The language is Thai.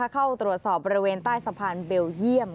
เข้าตรวจสอบบริเวณใต้สะพานเบลเยี่ยม